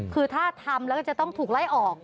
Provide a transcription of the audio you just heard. คือถ้าทำแล้วก็จะต้องถูกไล่ออก